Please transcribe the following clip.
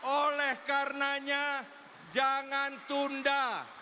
oleh karenanya jangan tunda